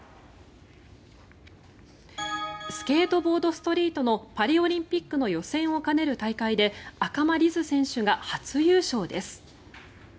スケートボード・ストリートのパリオリンピックの予選を兼ねる大会で赤間凛音選手が初優勝です。